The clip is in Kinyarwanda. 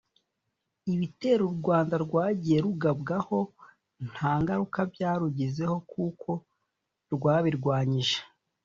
Ibitero u Rwanda rwagiye rugabwaho nta ngaruka byarugizeho kuko rwabirwanyije